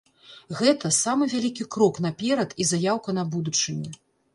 Гэта самы вялікі крок наперад і заяўка на будучыню.